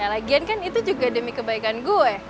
lagian kan itu juga demi kebaikan gue